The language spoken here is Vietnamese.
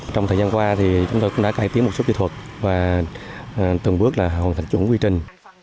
trong thời gian qua thì chúng tôi cũng đã cải tiến một số kỹ thuật và từng bước là hoàn thành chuẩn quy trình